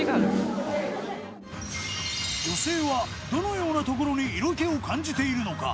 女性はどのようなところに色気を感じているのか？